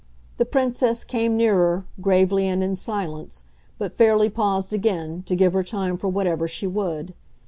The Princess came nearer, gravely and in silence, but fairly paused again, to give her time for whatever she would.